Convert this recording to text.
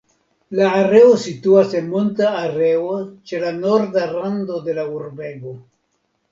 La areo situas en monta areo ĉe la norda rando de la urbego.